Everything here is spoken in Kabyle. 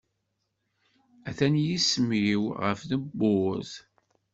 Atan yisem-iw ɣef tewwurt.